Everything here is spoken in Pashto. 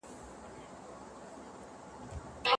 د ميرمني له خپلي شتمنۍ څخه صدقه ورکول صحيح دي.